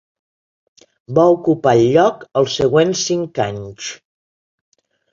Va ocupar el lloc els següents cinc anys.